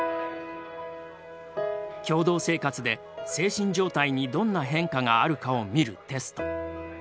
共同生活で精神状態にどんな変化があるかを見るテスト。